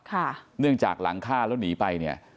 เนื่องจากหลังฆ่าแล้วหนีไปเนี่ย